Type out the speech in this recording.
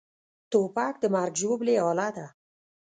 توپک د مرګ ژوبلې اله ده.